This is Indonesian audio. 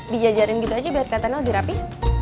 dijajarin gitu aja biar kelihatan lebih rapi